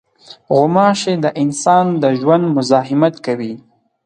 غوماشې د انسان د ژوند مزاحمت کوي.